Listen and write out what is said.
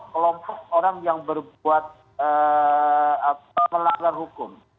kelompok orang yang berbuat melanggar hukum